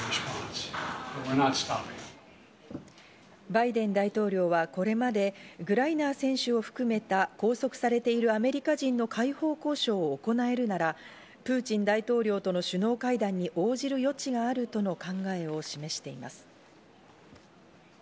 バイデン大統領はこれまで、グライナー選手を含めた拘束されているアメリカ人の解放交渉を行えるなら、プーチン大統領との首脳会談に応じる余地があるとの考えを示しています。